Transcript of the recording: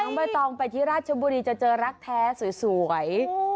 ใบตองไปที่ราชบุรีจะเจอรักแท้สวย